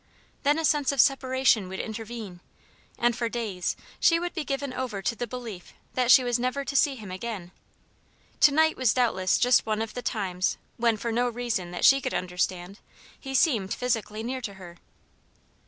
Then a sense of separation would intervene, and for days she would be given over to the belief that she was never to see him again. To night was doubtless just one of the times when, for no reason that she could understand, he seemed physically near to her.